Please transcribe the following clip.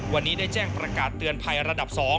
วันนี้ได้แจ้งประกาศเตือนภัยระดับ๒